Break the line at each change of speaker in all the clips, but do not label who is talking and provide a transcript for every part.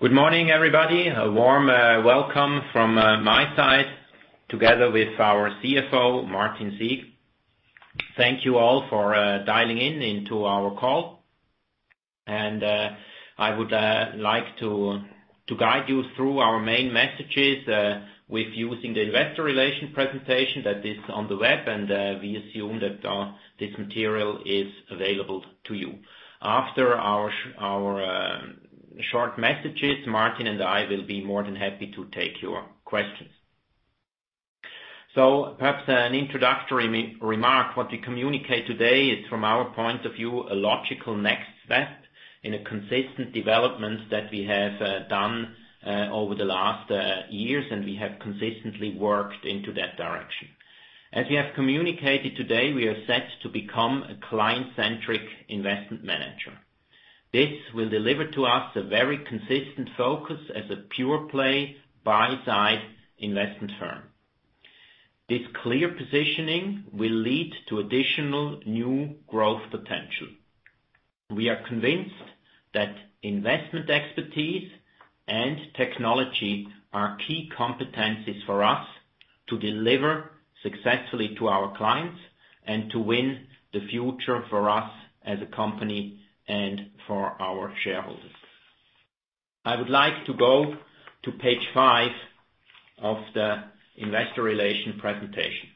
Good morning, everybody. A warm welcome from my side together with our CFO, Martin Sieg. Thank you all for dialing in to our call. I would like to guide you through our main messages with using the investor relation presentation that is on the web, and we assume that this material is available to you. After our short messages, Martin and I will be more than happy to take your questions. Perhaps an introductory remark. What we communicate today is, from our point of view, a logical next step in a consistent development that we have done over the last years, and we have consistently worked into that direction. As we have communicated today, we are set to become a client-centric investment manager. This will deliver to us a very consistent focus as a pure play buy-side investment firm. This clear positioning will lead to additional new growth potential. We are convinced that investment expertise and technology are key competencies for us to deliver successfully to our clients and to win the future for us as a company and for our shareholders. I would like to go to page five of the investor relation presentation.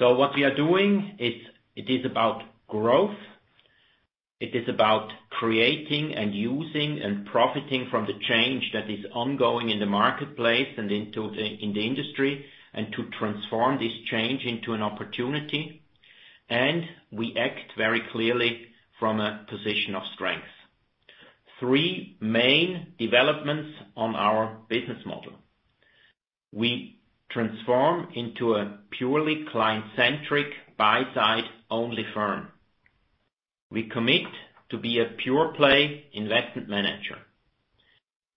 What we are doing, it is about growth. It is about creating and using and profiting from the change that is ongoing in the marketplace and in the industry, and to transform this change into an opportunity. We act very clearly from a position of strength. Three main developments on our business model. We transform into a purely client-centric buy-side only firm. We commit to be a pure play investment manager.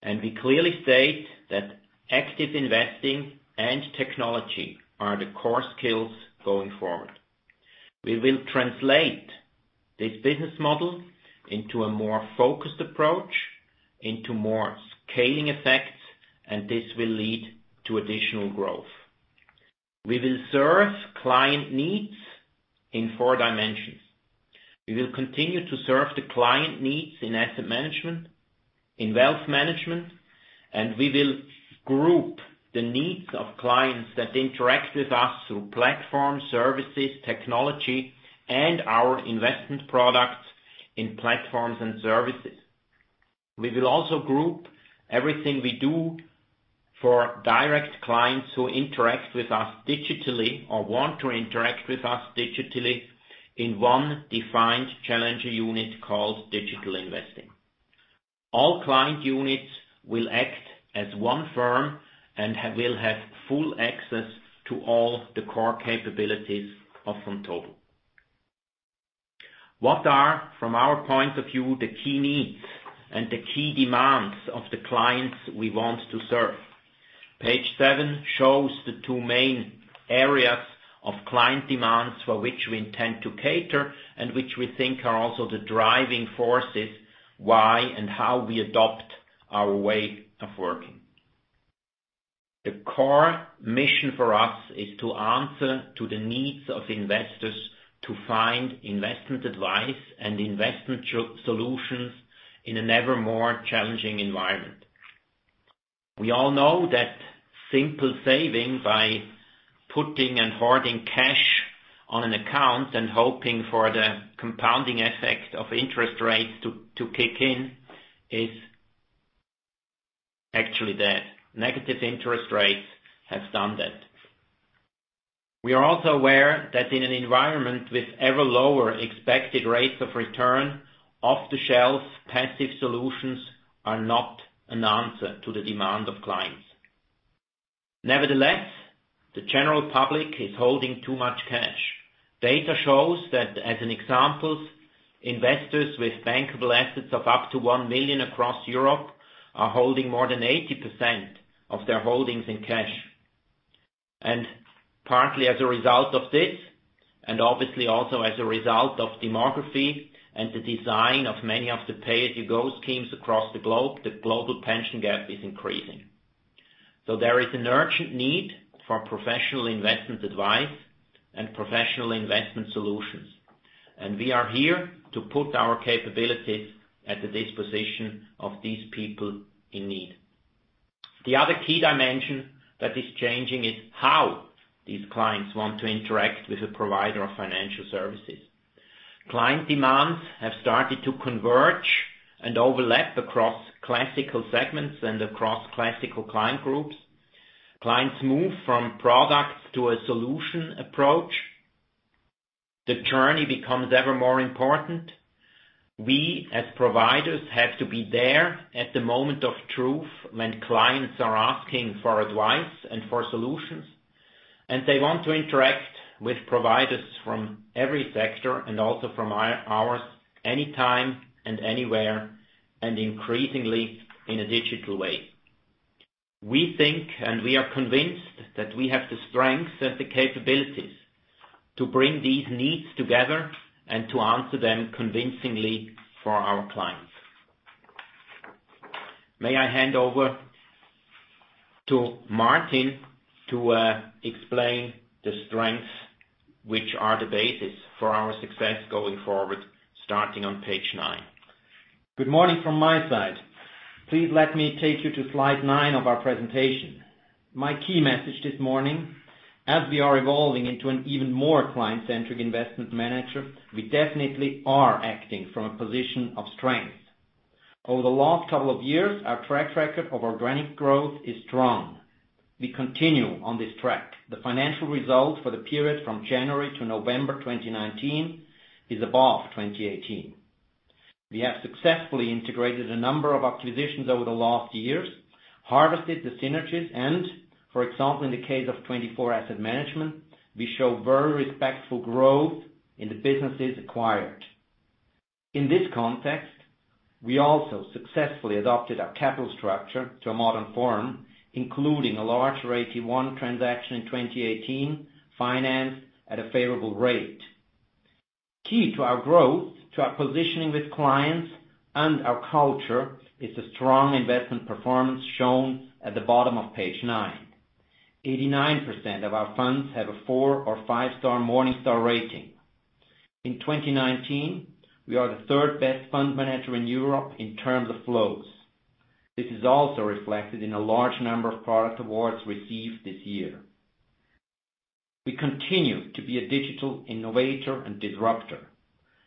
We clearly state that active investing and technology are the core skills going forward. We will translate this business model into a more focused approach, into more scaling effects, and this will lead to additional growth. We will serve client needs in four dimensions. We will continue to serve the client needs in asset management, in wealth management, and we will group the needs of clients that interact with us through platforms, services, technology, and our investment products in platforms and services. We will also group everything we do for direct clients who interact with us digitally or want to interact with us digitally in one defined challenger unit called Digital Investing. All client units will act as one firm and will have full access to all the core capabilities of Vontobel. What are, from our point of view, the key needs and the key demands of the clients we want to serve? Page seven shows the two main areas of client demands for which we intend to cater, and which we think are also the driving forces, why and how we adopt our way of working. The core mission for us is to answer to the needs of investors to find investment advice and investment solutions in an ever more challenging environment. We all know that simple saving by putting and hoarding cash on an account and hoping for the compounding effect of interest rates to kick in is actually dead. Negative interest rates have stunned it. We are also aware that in an environment with ever lower expected rates of return, off-the-shelf passive solutions are not an answer to the demand of clients. Nevertheless, the general public is holding too much cash. Data shows that, as an example, investors with bankable assets of up to 1 million across Europe are holding more than 80% of their holdings in cash. Partly as a result of this, and obviously also as a result of demography and the design of many of the pay-as-you-go schemes across the globe, the global pension gap is increasing. There is an urgent need for professional investment advice and professional investment solutions. We are here to put our capabilities at the disposition of these people in need. The other key dimension that is changing is how these clients want to interact with a provider of financial services. Client demands have started to converge and overlap across classical segments and across classical client groups. Clients move from products to a solution approach. The journey becomes ever more important. We, as providers, have to be there at the moment of truth when clients are asking for advice and for solutions. They want to interact with providers from every sector and also from ours anytime and anywhere, and increasingly in a digital way. We think, and we are convinced that we have the strengths and the capabilities to bring these needs together and to answer them convincingly for our clients. May I hand over to Martin to explain the strengths, which are the basis for our success going forward, starting on page nine.
Good morning from my side. Please let me take you to slide nine of our presentation. My key message this morning, as we are evolving into an even more client-centric investment manager, we definitely are acting from a position of strength. Over the last couple of years, our track record of organic growth is strong. We continue on this track. The financial results for the period from January to November 2019 is above 2018. We have successfully integrated a number of acquisitions over the last years, harvested the synergies, and, for example, in the case of TwentyFour Asset Management, we show very respectful growth in the businesses acquired. In this context, we also successfully adopted our capital structure to a modern form, including a large AT1 transaction in 2018, financed at a favorable rate. Key to our growth, to our positioning with clients and our culture is a strong investment performance shown at the bottom of page nine. 89% of our funds have a four or five-star Morningstar rating. In 2019, we are the third best fund manager in Europe in terms of flows. This is also reflected in a large number of product awards received this year. We continue to be a digital innovator and disruptor.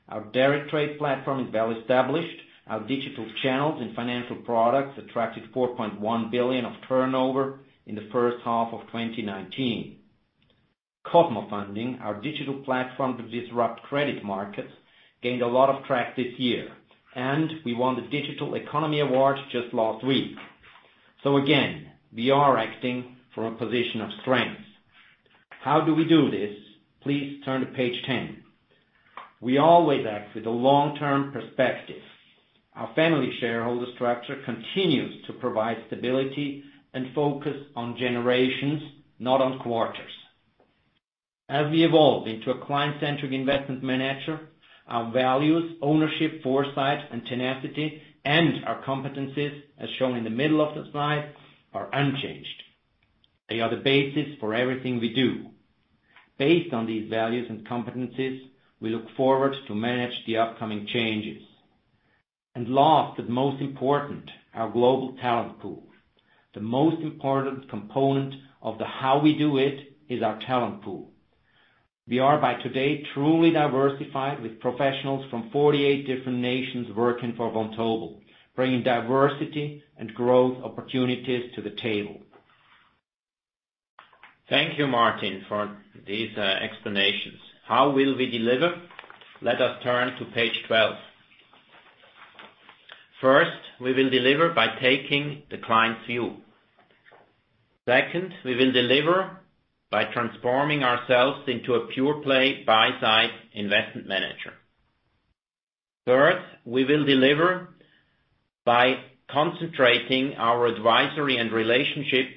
Our deritrade platform is well-established. Our digital channels and financial products attracted 4.1 billion of turnover in the first half of 2019. cosmofunding, our digital platform to disrupt credit markets, gained a lot of track this year, and we won the Digital Economy Award just last week. Again, we are acting from a position of strength. How do we do this? Please turn to page 10. We always act with a long-term perspective. Our family shareholder structure continues to provide stability and focus on generations, not on quarters. As we evolve into a client-centric investment manager, our values, ownership, foresight, and tenacity, and our competencies, as shown in the middle of the slide, are unchanged. They are the basis for everything we do. Based on these values and competencies, we look forward to manage the upcoming changes. Last but most important, our global talent pool. The most important component of the how we do it is our talent pool. We are by today truly diversified with professionals from 48 different nations working for Vontobel, bringing diversity and growth opportunities to the table.
Thank you, Martin, for these explanations. How will we deliver? Let us turn to page 12. First, we will deliver by taking the client's view. Second, we will deliver by transforming ourselves into a pure-play buy-side investment manager. Third, we will deliver by concentrating our advisory and relationship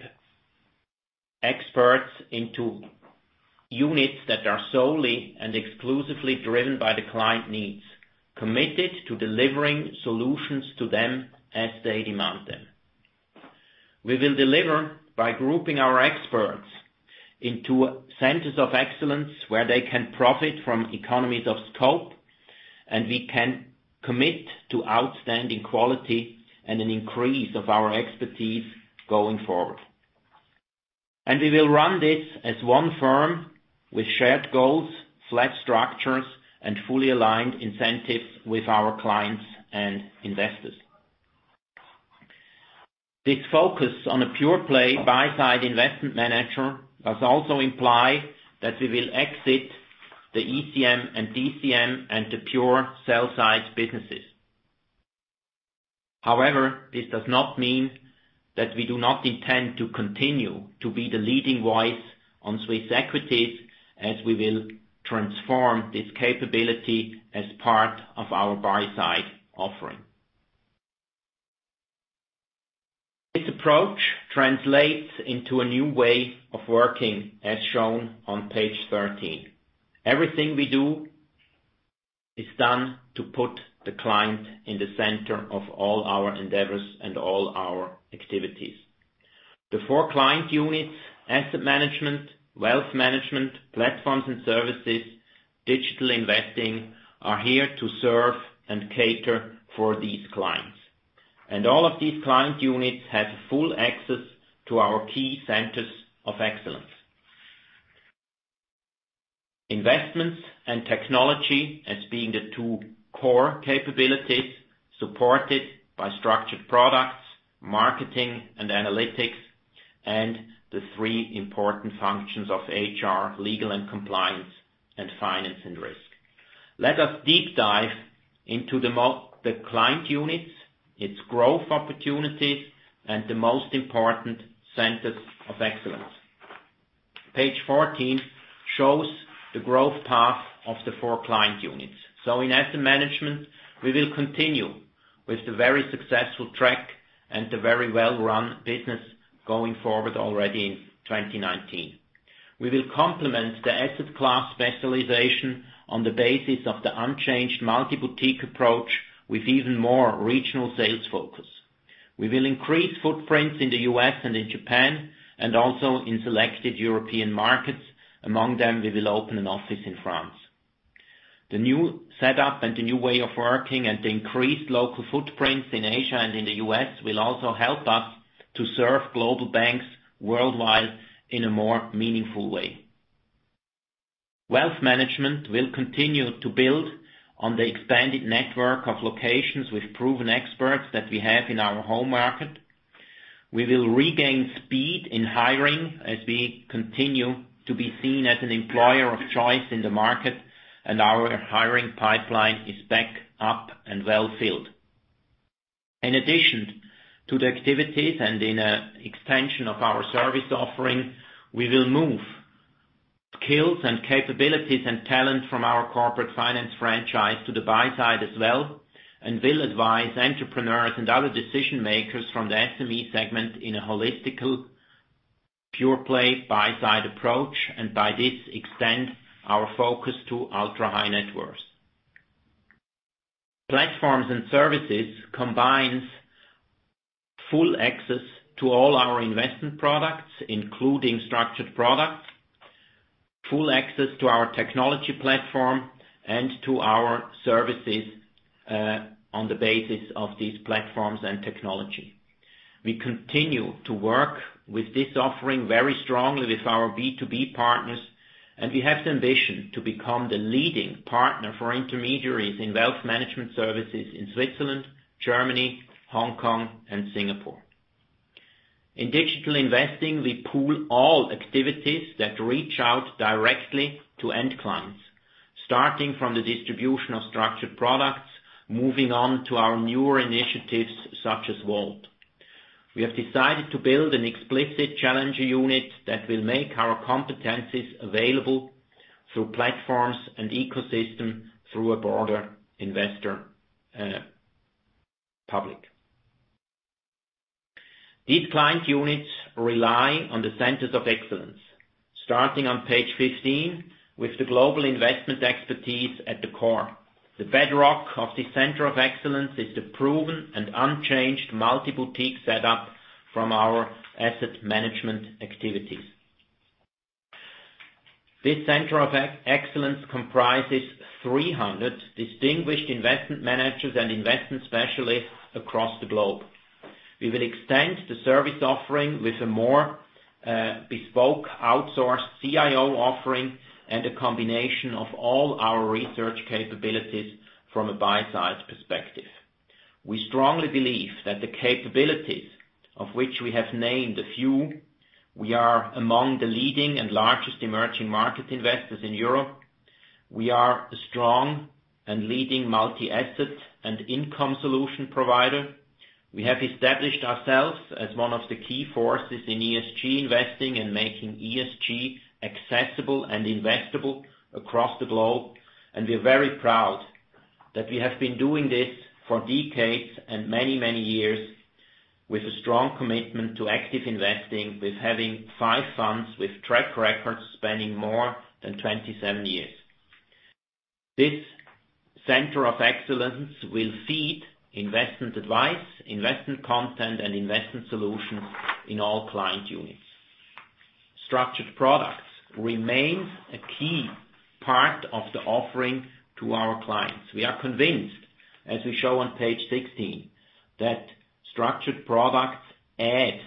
experts into units that are solely and exclusively driven by the client needs, committed to delivering solutions to them as they demand them. We will deliver by grouping our experts into centers of excellence where they can profit from economies of scope, and we can commit to outstanding quality and an increase of our expertise going forward. We will run this as one firm with shared goals, flat structures, and fully aligned incentives with our clients and investors. This focus on a pure-play buy-side investment manager does also imply that we will exit the ECM and the pure sell-side businesses. This does not mean that we do not intend to continue to be the leading voice on Swiss equities as we will transform this capability as part of our buy-side offering. This approach translates into a new way of working, as shown on page 13. Everything we do is done to put the client in the center of all our endeavors and all our activities. The four client units, asset management, wealth management, platforms and services, digital investing, are here to serve and cater for these clients. All of these client units have full access to our key centers of excellence. Investments and technology as being the two core capabilities supported by structured products, marketing and analytics, and the three important functions of HR, legal and compliance, and finance and risk. Let us deep dive into the client units, its growth opportunities, and the most important centers of excellence. Page 14 shows the growth path of the four client units. In asset management, we will continue with the very successful track and the very well-run business going forward already in 2019. We will complement the asset class specialization on the basis of the unchanged multi-boutique approach with even more regional sales focus. We will increase footprints in the U.S. and in Japan and also in selected European markets. Among them, we will open an office in France. The new setup and the new way of working and the increased local footprints in Asia and in the U.S. will also help us to serve global banks worldwide in a more meaningful way. Wealth management will continue to build on the expanded network of locations with proven experts that we have in our home market. We will regain speed in hiring as we continue to be seen as an employer of choice in the market, and our hiring pipeline is back up and well-filled. In addition to the activities and in an extension of our service offering, we will move skills and capabilities and talent from our corporate finance franchise to the buy side as well, and will advise entrepreneurs and other decision-makers from the SME segment in a holistic, pure-play buy side approach, and by this extend our focus to ultra-high-net worth. Platforms and services combines full access to all our investment products, including structured products, full access to our technology platform, and to our services on the basis of these platforms and technology. We continue to work with this offering very strongly with our B2B partners, and we have the ambition to become the leading partner for intermediaries in wealth management services in Switzerland, Germany, Hong Kong, and Singapore. In digital investing, we pool all activities that reach out directly to end clients, starting from the distribution of structured products, moving on to our newer initiatives such as Volt. We have decided to build an explicit challenger unit that will make our competencies available through platforms and ecosystem through a broader investor public. These client units rely on the centers of excellence. Starting on page 15 with the global investment expertise at the core. The bedrock of this center of excellence is the proven and unchanged multi-boutique setup from our asset management activities. This center of excellence comprises 300 distinguished investment managers and investment specialists across the globe. We will extend the service offering with a more bespoke outsourced CIO offering and a combination of all our research capabilities from a buy side perspective. We strongly believe that the capabilities of which we have named a few, we are among the leading and largest emerging market investors in Europe. We are a strong and leading multi-asset and income solution provider. We have established ourselves as one of the key forces in ESG investing and making ESG accessible and investable across the globe. We are very proud that we have been doing this for decades and many, many years with a strong commitment to active investing, with having five funds with track records spanning more than 27 years. This center of excellence will feed investment advice, investment content, and investment solutions in all client units. Structured products remains a key part of the offering to our clients. We are convinced, as we show on page 16, that structured products add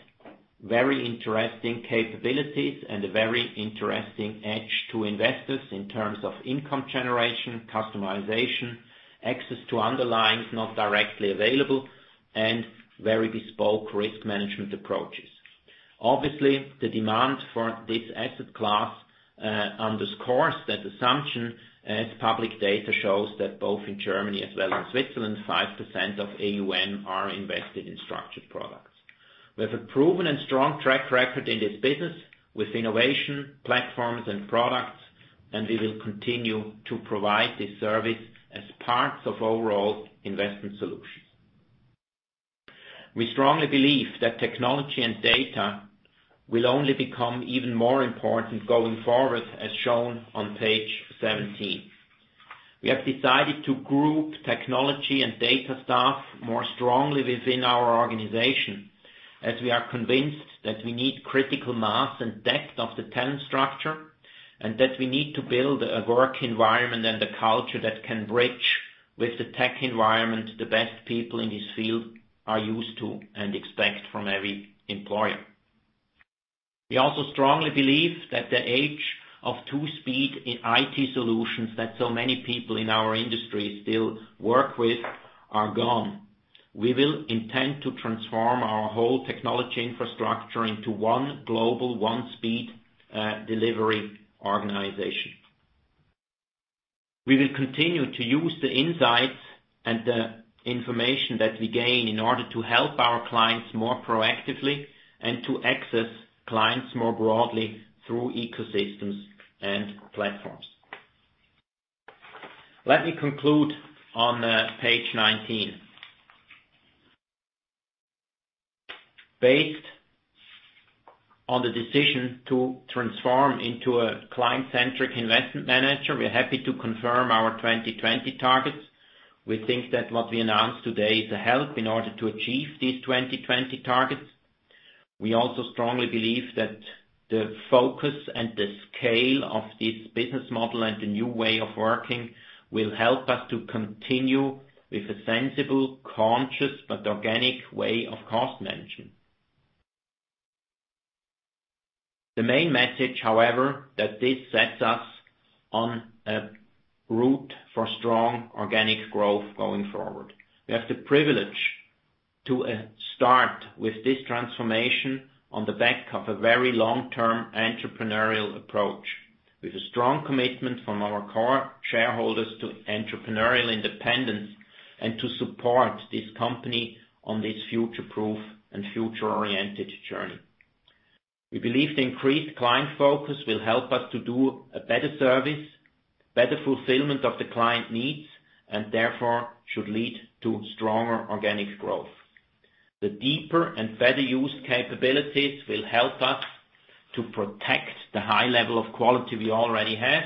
very interesting capabilities and a very interesting edge to investors in terms of income generation, customization, access to underlyings not directly available, and very bespoke risk management approaches. Obviously, the demand for this asset class underscores that assumption as public data shows that both in Germany as well as Switzerland, 5% of AUM are invested in structured products. We have a proven and strong track record in this business with innovation, platforms, and products, and we will continue to provide this service as parts of overall investment solutions. We strongly believe that technology and data will only become even more important going forward, as shown on page 17. We have decided to group technology and data staff more strongly within our organization, as we are convinced that we need critical mass and depth of the talent structure, and that we need to build a work environment and a culture that can bridge with the tech environment the best people in this field are used to and expect from every employer. We also strongly believe that the age of two speed in IT solutions that so many people in our industry still work with are gone. We will intend to transform our whole technology infrastructure into one global, one speed delivery organization. We will continue to use the insights and the information that we gain in order to help our clients more proactively and to access clients more broadly through ecosystems and platforms. Let me conclude on page 19. Based on the decision to transform into a client-centric investment manager, we are happy to confirm our 2020 targets. We think that what we announced today is a help in order to achieve these 2020 targets. We also strongly believe that the focus and the scale of this business model and the new way of working will help us to continue with a sensible, conscious, but organic way of cost management. The main message, however, that this sets us on a route for strong organic growth going forward. We have the privilege to start with this transformation on the back of a very long-term entrepreneurial approach, with a strong commitment from our core shareholders to entrepreneurial independence and to support this company on this future-proof and future-oriented journey. We believe the increased client focus will help us to do a better service, better fulfillment of the client needs, and therefore should lead to stronger organic growth. The deeper and better use capabilities will help us to protect the high level of quality we already have,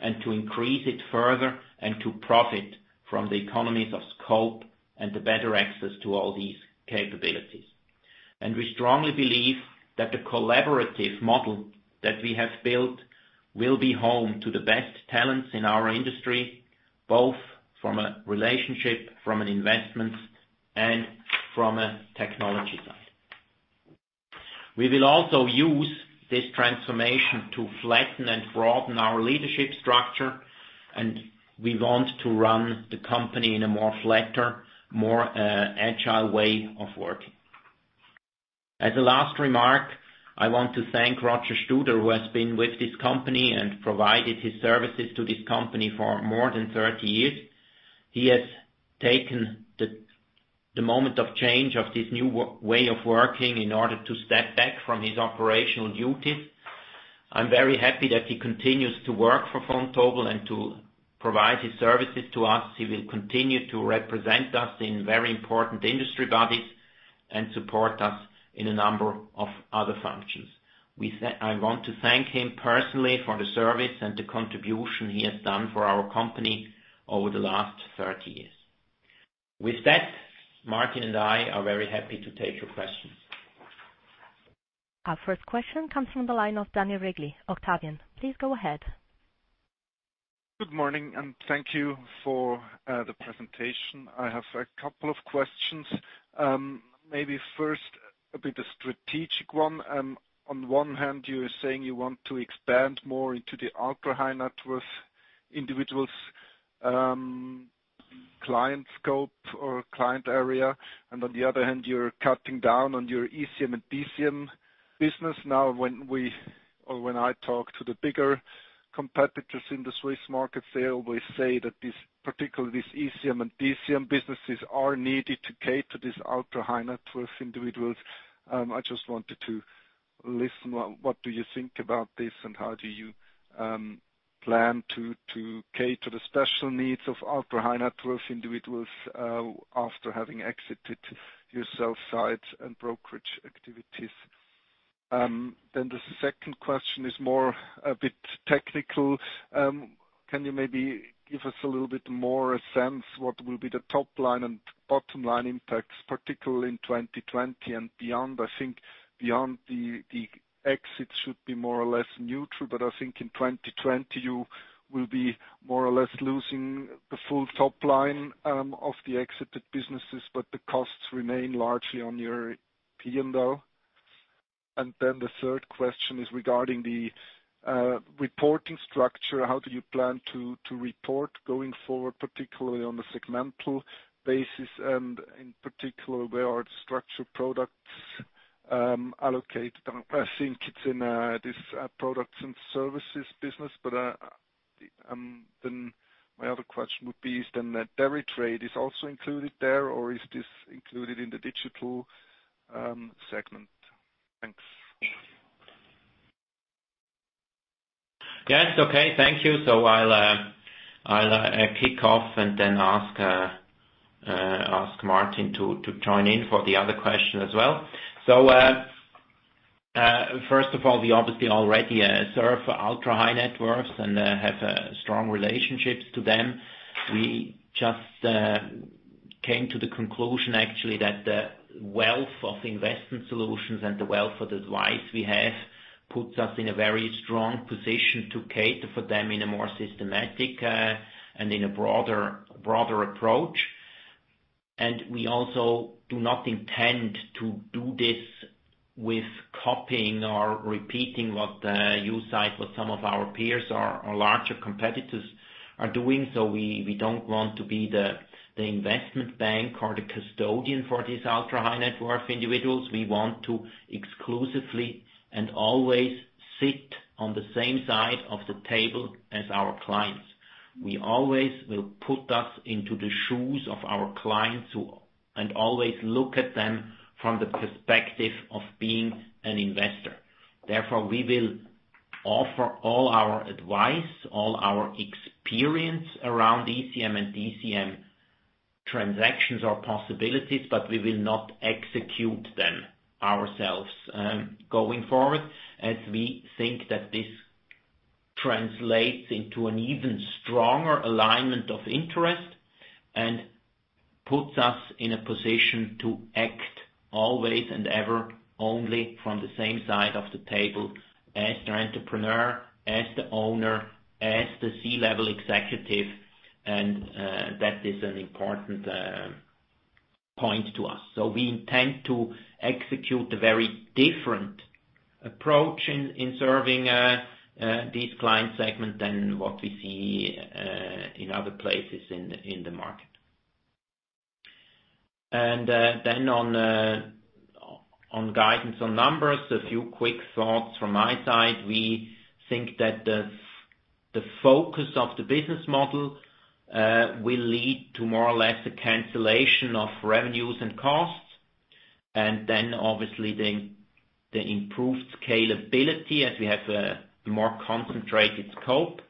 and to increase it further, and to profit from the economies of scope and the better access to all these capabilities. We strongly believe that the collaborative model that we have built will be home to the best talents in our industry, both from a relationship, from an investment, and from a technology side. We will also use this transformation to flatten and broaden our leadership structure, and we want to run the company in a more flatter, more agile way of working. As a last remark, I want to thank Roger Studer, who has been with this company and provided his services to this company for more than 30 years. He has taken the moment of change of this new way of working in order to step back from his operational duties. I'm very happy that he continues to work for Vontobel and to provide his services to us. He will continue to represent us in very important industry bodies and support us in a number of other functions. I want to thank him personally for the service and the contribution he has done for our company over the last 30 years. With that, Martin and I are very happy to take your questions.
Our first question comes from the line of Daniel Regli. Octavian, please go ahead.
Good morning. Thank you for the presentation. I have a couple of questions. First, a bit of strategic one. On one hand, you are saying you want to expand more into the ultra-high-net-worth individuals, client scope or client area. On the other hand, you're cutting down on your ECM and DCM business. When I talk to the bigger competitors in the Swiss market, they always say that this, particularly this ECM and DCM businesses are needed to cater this ultra-high-net-worth individuals. I just wanted to listen, what do you think about this and how do you plan to cater the special needs of ultra-high-net-worth individuals after having exited your sell side and brokerage activities? The second question is more a bit technical. Can you maybe give us a little bit more sense what will be the top line and bottom line impacts, particularly in 2020 and beyond? I think beyond the exit should be more or less neutral, but I think in 2020, you will be more or less losing the full top line of the exited businesses, but the costs remain largely on your P&L. The third question is regarding the reporting structure. How do you plan to report going forward, particularly on the segmental basis and in particular, where are the structured products allocated? I think it's in this products and services business, but then my other question would be, is deritrade also included there or is this included in the digital segment? Thanks.
Yes. Okay. Thank you. I'll kick off and then ask Martin to join in for the other question as well. First of all, we obviously already serve ultra-high-net-worth and have strong relationships to them. We just came to the conclusion, actually, that the wealth of investment solutions and the wealth of advice we have puts us in a very strong position to cater for them in a more systematic and in a broader approach. We also do not intend to do this with copying or repeating what you said, what some of our peers or larger competitors are doing. We don't want to be the investment bank or the custodian for these ultra-high-net-worth individuals. We want to exclusively and always sit on the same side of the table as our clients. We always will put us into the shoes of our clients who always look at them from the perspective of being an investor. We will offer all our advice, all our experience around ECM and DCM transactions or possibilities, but we will not execute them ourselves going forward, as we think that this translates into an even stronger alignment of interest and puts us in a position to act always and ever only from the same side of the table as the entrepreneur, as the owner, as the C-level executive. That is an important point to us. We intend to execute a very different approach in serving these client segments than what we see in other places in the market. On guidance on numbers, a few quick thoughts from my side. We think that the focus of the business model will lead to more or less the cancellation of revenues and costs, and then obviously the improved scalability as we have a more concentrated scope.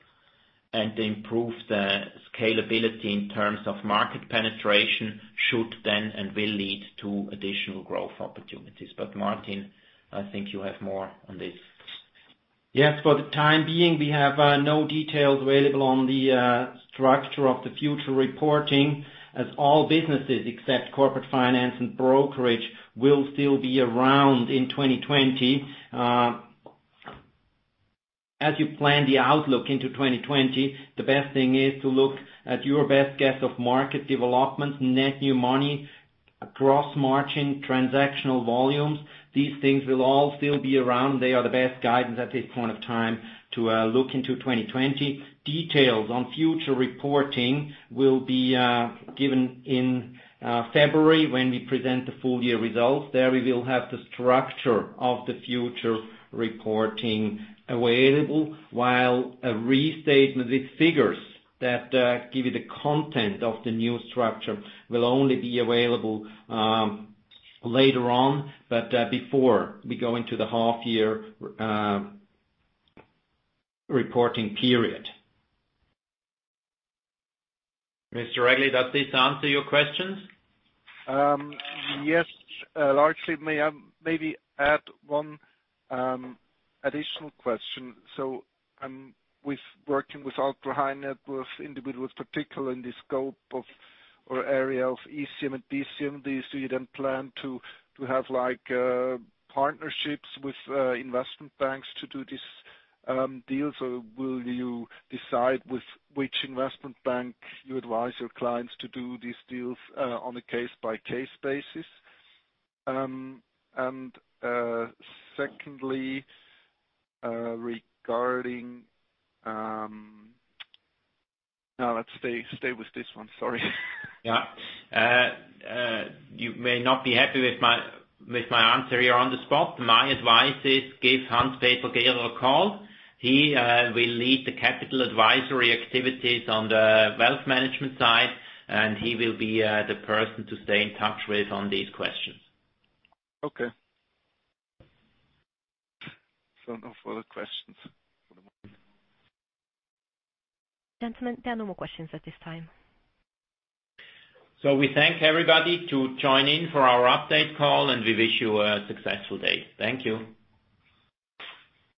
Improved scalability in terms of market penetration should then and will lead to additional growth opportunities. Martin, I think you have more on this.
Yes, for the time being, we have no details available on the structure of the future reporting, as all businesses except corporate finance and brokerage will still be around in 2020. As you plan the outlook into 2020, the best thing is to look at your best guess of market developments, net new money, gross margin, transactional volumes. These things will all still be around. They are the best guidance at this point of time to look into 2020. Details on future reporting will be given in February when we present the full-year results. There we will have the structure of the future reporting available, while a restatement with figures that give you the content of the new structure will only be available later on, but before we go into the half-year reporting period.
Mr. Regli, does this answer your questions?
Yes, largely. May I maybe add one additional question? With working with ultra high net worth individuals, particularly in the scope of or area of ECM and DCM, do you then plan to have partnerships with investment banks to do these deals? Or will you decide with which investment bank you advise your clients to do these deals on a case-by-case basis? Secondly, No, let's stay with this one. Sorry.
You may not be happy with my answer here on the spot. My advice is give Hans-Peter Gier a call. He will lead the capital advisory activities on the wealth management side. He will be the person to stay in touch with on these questions.
Okay. No further questions for the moment. Gentlemen, there are no more questions at this time.
We thank everybody to join in for our update call, and we wish you a successful day. Thank you.